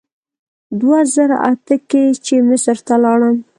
دوه زره اته کې چې مصر ته لاړم.